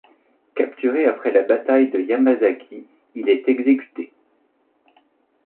Capturé après la bataille de Yamazaki il est exécuté.